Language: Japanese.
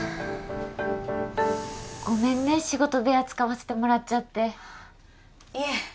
ごめんね仕事部屋使わせてもらっちゃっていえ